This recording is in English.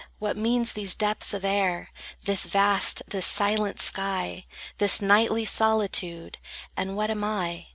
What mean these depths of air, This vast, this silent sky, This nightly solitude? And what am I?"